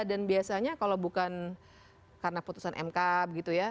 dan biasanya kalau bukan karena putusan mk gitu ya